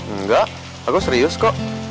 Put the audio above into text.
enggak aku serius kok